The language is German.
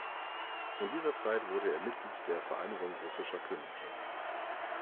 In dieser Zeit wurde er Mitglied der "Vereinigung russischer Künstler".